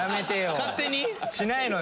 勝手に？しないのよ。